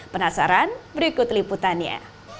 penasaran berikut liputannya